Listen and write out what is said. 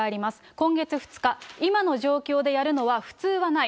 今月２日、今の状況でやるのは普通はない。